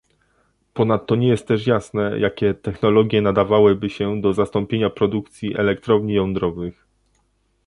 Ponadto nie jest też jasne, jakie technologie nadawałyby się do zastąpienia produkcji elektrowni jądrowych